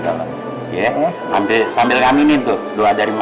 dalam ya hampir hampir